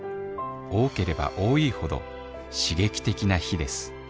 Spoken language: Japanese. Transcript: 多ければ多いほど刺激的な日です